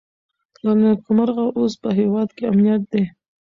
له نېکمرغه اوس په هېواد کې امنیت دی.